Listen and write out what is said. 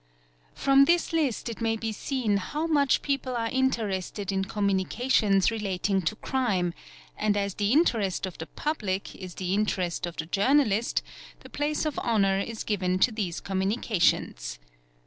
From this list it may be seen how much people are interested in com munications relating to crime, and as the interest of the public is the interest of the journalist, the place of honour is given to these communi © cations.